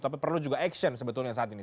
tapi perlu juga action sebetulnya saat ini